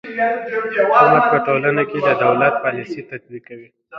حکومت په ټولنه کې د دولت پالیسي تطبیقوي.